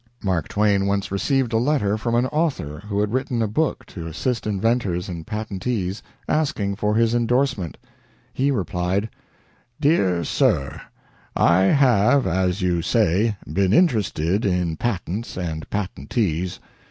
Mark Twain once received a letter from an author who had written a book to assist inventors and patentees, asking for his indorsement. He replied: "DEAR SIR, I have, as you say, been interested in patents and patentees.